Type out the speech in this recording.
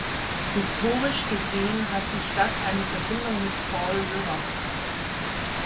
Historisch gesehen hat die Stadt eine Verbindung mit Fall River.